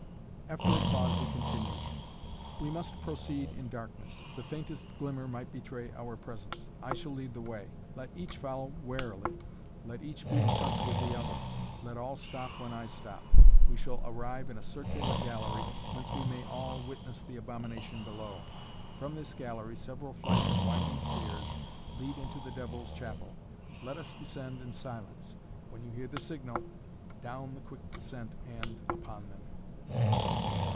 After a pause he continued: "We must proceed in darkness. The faintest glimmer might betray our presence. I shall lead the way. Let each follow warily. Let each be in touch with the other. Let all stop when I stop. We shall arrive in a circular gallery, whence we may all witness the abomination below. From this gallery several flights of winding stairs lead into the devil's chapel. Let us descend in silence. When you hear the signal down the quick descent and upon them!"